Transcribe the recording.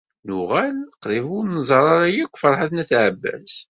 Nuɣal qrib ur nẓerr ara akk Ferḥat n At Ɛebbas.